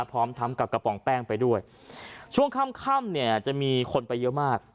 พร้อมทำกับกระป๋องแป้งไปด้วยช่วงค่ำค่ำเนี่ยจะมีคนไปเยอะมาก